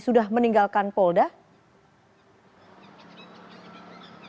sudah meninggalkan polda